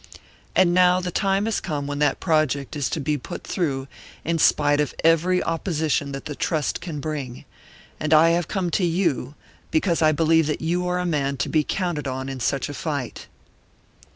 And now, the time has come when that project is to be put through in spite of every opposition that the Trust can bring; and I have come to you because I believe that you are a man to be counted on in such a fight."